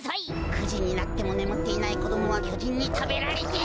９じになってもねむっていないこどもはきょじんにたべられてしまう！